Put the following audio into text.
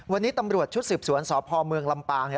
วันนี้ตำรวจชุดสืบสวนสพเมืองลำปาง